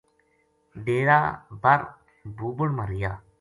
ڈیرا بر بُوبن ما رہیا